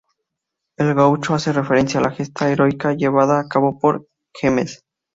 El gaucho hace referencia a la gesta heroica llevada a cabo por Güemes.